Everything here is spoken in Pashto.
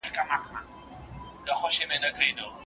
زوی بايد بازار ته ولاړ سي.